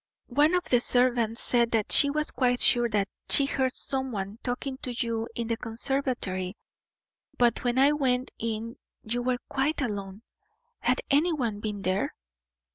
"One of the servants said she was quite sure that she had heard some one talking to you in the conservatory; but when I went in you were quite alone. Had any one been there?"